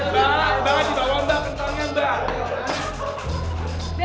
mbak mbak di bawah mbak kentalnya mbak